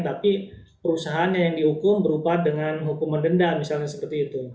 tapi perusahaannya yang dihukum berupa dengan hukuman denda misalnya seperti itu